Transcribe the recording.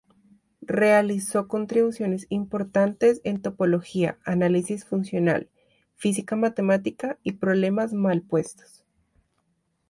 Realizó contribuciones importantes en topología, análisis funcional, física matemática y problemas mal puestos.